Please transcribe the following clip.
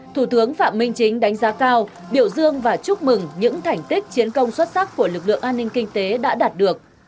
thủ tướng phạm minh chính đánh giá cao biểu dương và chúc mừng những thành tích chiến công xuất sắc của lực lượng an ninh kinh tế đã đạt được